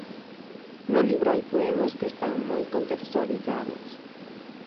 No libro hai poemas que están moi contextualizados.